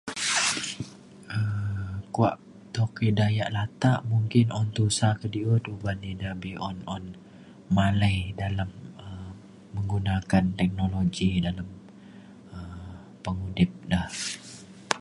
um kua tuk ida ia' latak mungkin un tusa kediut uban ida be'un un malai dalem um menggunakan teknologi dalem um pengudip da